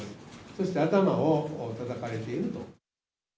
そして頭をたたかれていると。